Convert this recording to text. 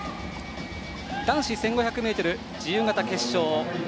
男子１５００ｍ自由形決勝。